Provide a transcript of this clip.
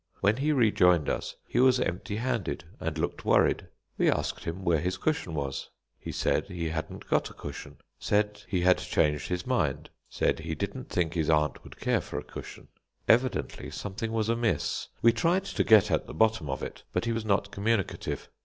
When he rejoined us he was empty handed, and looked worried. We asked him where his cushion was. He said he hadn't got a cushion, said he had changed his mind, said he didn't think his aunt would care for a cushion. Evidently something was amiss. We tried to get at the bottom of it, but he was not communicative.